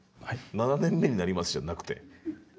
「７年目になります」じゃなくて。